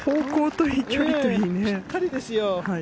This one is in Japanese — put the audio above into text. ぴったりですよ。